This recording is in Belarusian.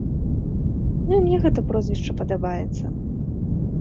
Ну і мне гэта прозвішча падабаецца.